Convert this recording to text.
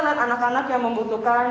lihat anak anak yang membutuhkan